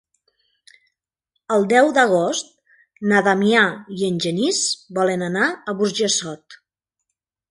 El deu d'agost na Damià i en Genís volen anar a Burjassot.